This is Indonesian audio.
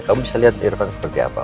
kamu bisa lihat irfan seperti apa